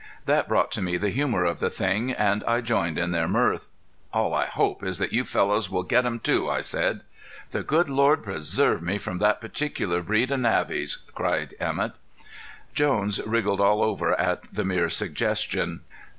That brought to me the humor of the thing, and I joined in their mirth. "All I hope is that you fellows will get 'em' too," I said. "The Good Lord preserve me from that particular breed of Navvy's," cried Emett. Jones wriggled all over at the mere suggestion.